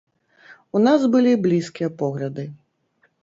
У нас былі блізкія погляды.